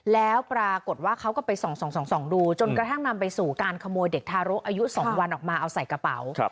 แล้วปรากฏว่าเขาก็ไปส่องดูจนกระทั่งนำไปสู่การขโมยเด็กทารกอายุ๒วันออกมาเอาใส่กระเป๋า